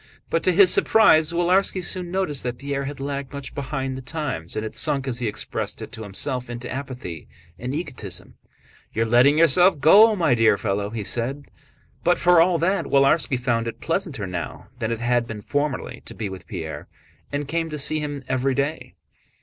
But to his surprise Willarski soon noticed that Pierre had lagged much behind the times, and had sunk, as he expressed it to himself, into apathy and egotism. "You are letting yourself go, my dear fellow," he said. But for all that Willarski found it pleasanter now than it had been formerly to be with Pierre, and came to see him every day.